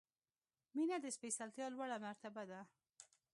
• مینه د سپېڅلتیا لوړه مرتبه ده.